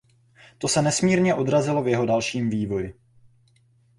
To se nesmírně odrazilo v jeho dalším vývoji.